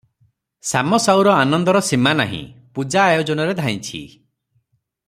ଶାମ ସାଉର ଆନନ୍ଦର ସୀମା ନାହିଁ, ପୂଜା ଆୟୋଜନରେ ଧାଇଁଛି ।